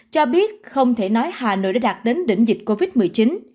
cho biết không thể đạt đến đỉnh dịch covid một mươi chín hay chưa